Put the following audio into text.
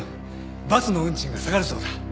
バスの運賃が下がるそうだ。